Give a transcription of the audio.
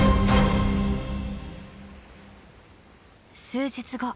数日後。